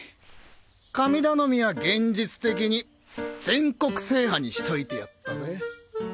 神頼みは現実的に全国制覇にしといてやったぜ。